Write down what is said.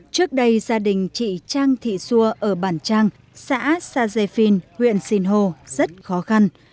trước đây gia đình chị trang thị xua ở bản trang xã sa dê phiên huyện sinh hồ rất khó khăn